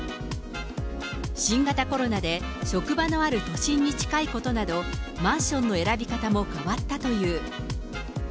新型コロナで職場のある都心に近いことなど、マンションの選び方も変わったという。